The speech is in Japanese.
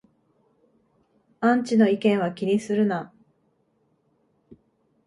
アンチの意見は気にするな